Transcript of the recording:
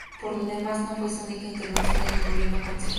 Por lo demás, no fue su única intervención en el gobierno concejil.